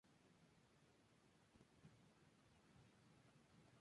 Conformó los duetos: Marfil y Ébano, Marfil y Morales, Marfil y Valencia.